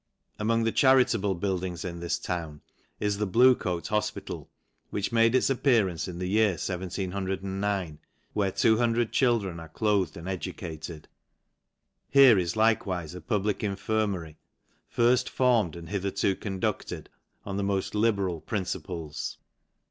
Among the charitable buildings in this town* i the Blue Coat hofpital, which made its appearand in the year 170.9, where 200 children are oloathc and educated. Here is likewife a public infirmar' firft formed and hitherto conducted on the moft ll beral principles.